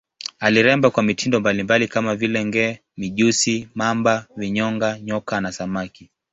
Aliremba kwa mitindo mbalimbali kama vile nge, mijusi, mamba, vinyonga, nyoka na samaki.